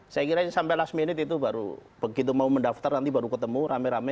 saya kira ini sampai last minute itu baru begitu mau mendaftar nanti baru ketemu rame rame